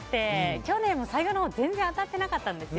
去年も最後のほう全然当たってなかったんですよ。